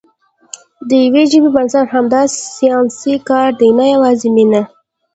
د یوې ژبې بنسټ همدا ساینسي کار دی، نه یوازې مینه.